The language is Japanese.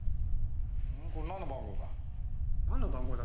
これなんの番号だ？